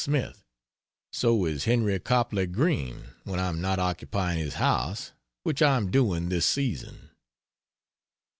Smith; so is Henry Copley Greene, when I am not occupying his house, which I am doing this season.